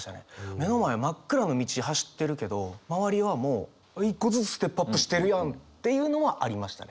目の前真っ暗の道走ってるけど周りはもう一個ずつステップアップしてるやんっていうのはありましたね。